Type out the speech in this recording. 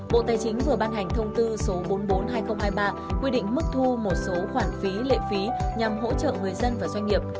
bộ tài chính vừa ban hành thông tư số bốn trăm bốn mươi hai nghìn hai mươi ba quy định mức thu một số khoản phí lệ phí nhằm hỗ trợ người dân và doanh nghiệp